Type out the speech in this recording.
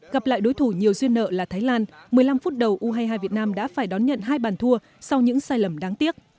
gặp lại đối thủ nhiều duyên nợ là thái lan một mươi năm phút đầu u hai mươi hai việt nam đã phải đón nhận hai bàn thua sau những sai lầm đáng tiếc